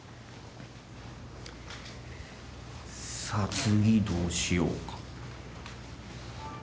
さあ次どうしようか。